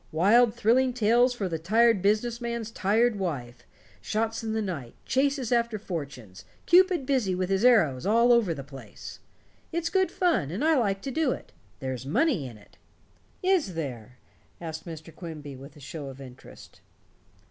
Wild thrilling tales for the tired business man's tired wife shots in the night, chases after fortunes, Cupid busy with his arrows all over the place! It's good fun, and I like to do it. There's money in it." "Is there?" asked Mr. Quimby with a show of interest.